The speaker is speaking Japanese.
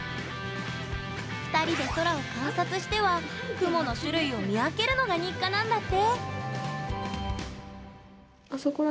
２人で空を観察しては雲の種類を見分けるのが日課なんだって。